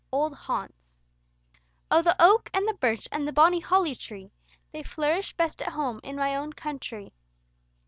OLD HAUNTS "O the oak, and the birch, and the bonny holly tree, They flourish best at home in my own countree."